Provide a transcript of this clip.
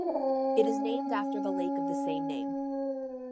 It is named after the lake of the same name.